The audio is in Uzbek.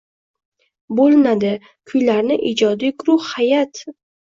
bo‘linadi. Kuylarni ijodiy gurux hay’at